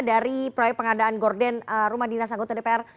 dari proyek pengadaan gorden rumah dinas anggota dpr